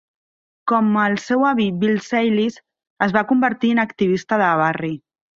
Com el seu avi Bill Sayles, es va convertir en activista de barri.